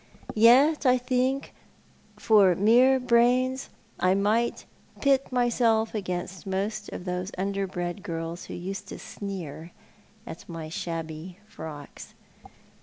Yet I think for mere brains I might pit myself against most of those underbred girls who used to sneer at my shabby frocks.